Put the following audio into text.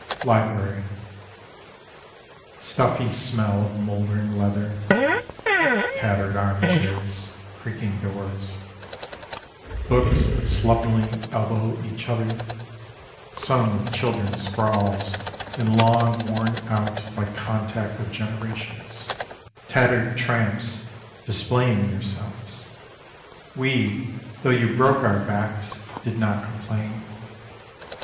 LIBRARY Stuffy smell of mouldering leather, Tattered arm chairs, creaking doors, Books that slovenly elbow each other, Sown with children's scrawls and long Worn out by contact with generations: Tattered tramps displaying yourselves "We, though you broke our backs, did not complain."